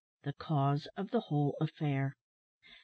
THE CAUSE OF THE WHOLE AFFAIR.